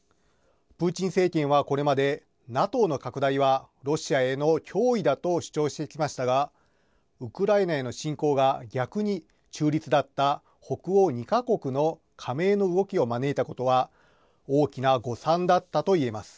プーチン政権はこれまで、ＮＡＴＯの拡大はロシアへの脅威だと主張してきましたが、ウクライナへの侵攻が逆に中立だった北欧２か国の加盟の動きを招いたことは、大きな誤算だったといえます。